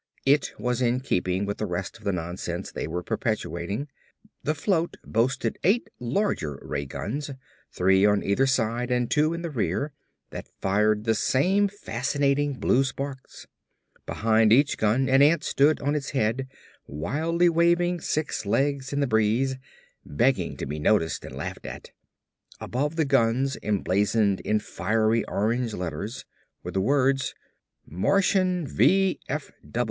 It was in keeping with the rest of the nonsense they were perpetrating. The float boasted eight larger ray guns, three on either side and two in the rear, that fired the same fascinating blue sparks. Behind each gun an ant stood on its head, wildly waving six legs in the breeze, begging to be noticed and laughed at. Above the guns, emblazoned in fiery orange letters, were the words: "MARTIAN V.